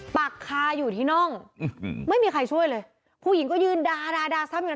ปากคาอยู่ที่น่องไม่มีใครช่วยเลยผู้หญิงก็ยืนดาดาซ้ำอยู่